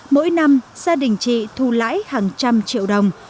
mỗi năm gia đình chị thu lãi hàng trăm triệu đồng